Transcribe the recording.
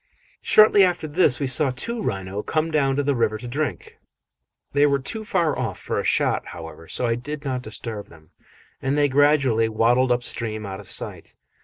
Shortly after this we saw two rhino come down to the river to drink; they were too far off for a shot, however, so I did not disturb them, and they gradually waddled up stream out of sight.